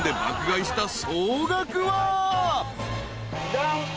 ジャン。